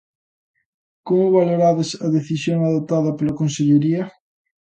Como valorades a decisión adoptada pola Consellería?